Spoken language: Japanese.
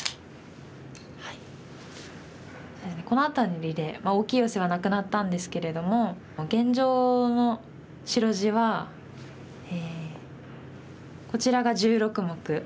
そうですねこの辺りで大きいヨセはなくなったんですけれども現状の白地はこちらが１６目。